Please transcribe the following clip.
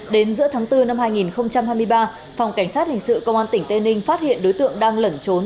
đến giữa tháng bốn năm hai nghìn hai mươi ba phòng cảnh sát hình sự công an tỉnh tây ninh phát hiện đối tượng đang lẩn trốn